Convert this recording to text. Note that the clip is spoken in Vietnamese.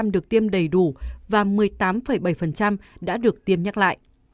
năm mươi chín được tiêm đầy đủ và một mươi tám bảy đã được tiêm nhắc lại